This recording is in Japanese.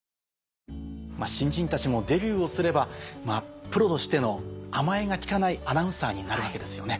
新人たちもデビューをすればプロとしての甘えが利かないアナウンサーになるわけですよね。